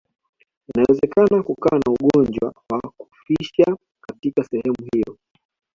Inawezekana kukawa na ugonjwa wa kufisha katika sehemu hiyo